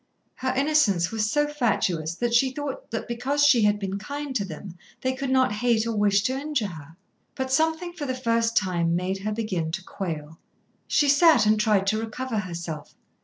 Her innocence was so fatuous that she thought that because she had been kind to them they could not hate or wish to injure her. But something for the first time made her begin to quail. She sat, and tried to recover herself.